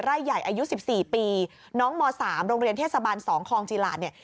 ไร่ใหญ่อายุ๑๔ปีน้องม๓โรงเรียนเทศบาล๒คลองจีหลาดเนี่ย